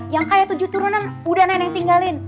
yang kayak tujuh turunan udah nenek tinggalin